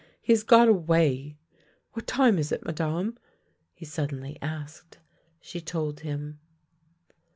He has got away. What time is it, Madame? " he suddenly asked. She told him.